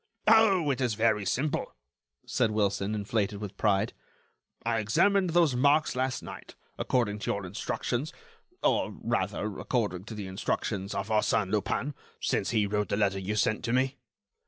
"Oh! it is very simple," said Wilson, inflated with pride; "I examined those marks last night, according to your instructions, or, rather, according to the instructions of Arsène Lupin, since he wrote the letter you sent to me."